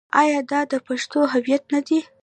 آیا دا د پښتنو هویت نه دی؟